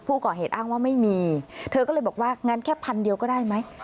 ผู้ก่อเหตุอ้างว่าไม่มีเธอก็เลยบอกว่างั้นแค่พันเดียวก็ได้ไหม